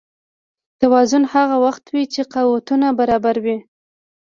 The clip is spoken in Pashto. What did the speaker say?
توازن هغه وخت وي چې قوتونه برابر وي.